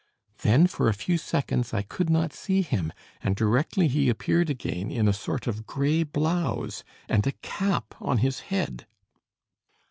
"Then, for a few seconds, I could not see him, and directly he appeared again, in a sort of gray blouse, and a cap on his Lead."